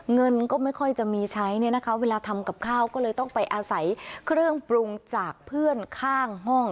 เงินก็ไม่ค่อยจะมีใช้เนี่ยนะคะเวลาทำกับข้าวก็เลยต้องไปอาศัยเครื่องปรุงจากเพื่อนข้างห้อง